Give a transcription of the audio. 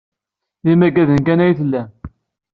D imaggaden kan ay tellam.